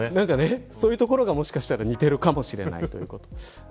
そういうところがもしかしたら似ているかもしれないというところです。